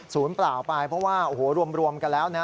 เปล่าไปเพราะว่าโอ้โหรวมกันแล้วนะ